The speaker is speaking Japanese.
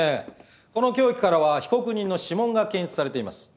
この凶器からは被告人の指紋が検出されています。